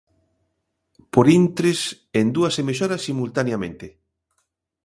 Por intres, en dúas emisoras simultaneamente.